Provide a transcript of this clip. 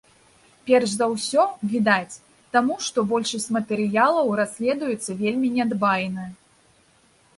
Перш за ўсё, відаць, таму, што большасць матэрыялаў расследуецца вельмі нядбайна.